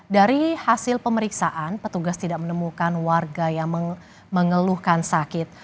dari hasil pemeriksaan petugas tidak menemukan warga yang mengeluhkan sakit